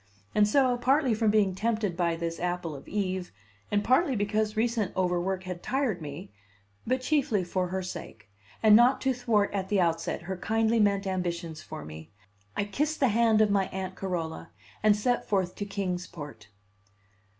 And so, partly from being tempted by this apple of Eve, and partly because recent overwork had tired me, but chiefly for her sake, and not to thwart at the outset her kindly meant ambitions for me, I kissed the hand of my Aunt Carola and set forth to Kings Port.